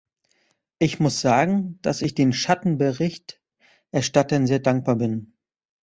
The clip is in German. Ich muss sagen, dass ich den Schattenberichterstattern sehr dankbar bin.